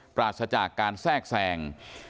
ปราศจากการแทรกแทรง